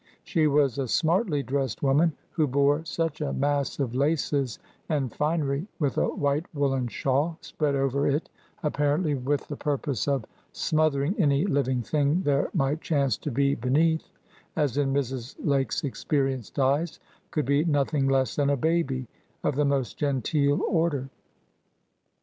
She was a smartly dressed woman, who bore such a mass of laces and finery, with a white woollen shawl spread over it, apparently with the purpose of smothering any living thing there might chance to be beneath, as, in Mrs. Lake's experienced eyes, could be nothing less than a baby of the most genteel order.